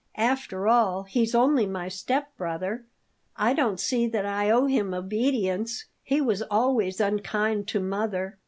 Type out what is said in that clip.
After all, he's only my step brother; I don't see that I owe him obedience. He was always unkind to mother."